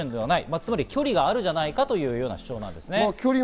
つまり距離があるではないかということですね。